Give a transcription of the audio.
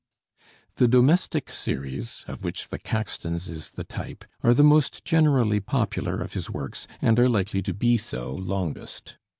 The domestic series, of which 'The Caxtons' is the type, are the most generally popular of his works, and are likely to be so longest.